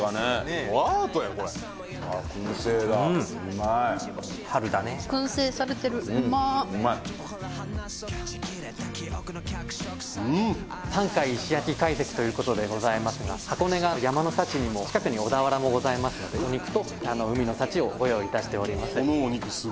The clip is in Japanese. もうアートやこれああ燻製だうまい春だねうん・山海石焼会席ということでございますが箱根が山の幸にも近くに小田原もございますのでお肉と海の幸をご用意いたしております